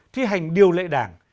thi hành điều lệ đảng